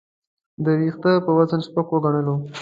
د وېښتې په وزن سپک وګڼلو.